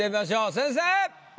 先生！